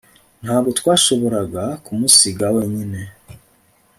ntabwo twashoboraga kumusiga wenyine